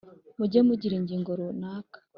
mujye mugira ingingo runaka